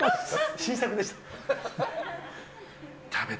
新作でした。